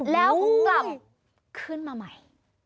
แล้วกลับขึ้นมาใหม่